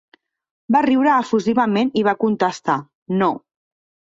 Va riure efusivament i va contestar, "no".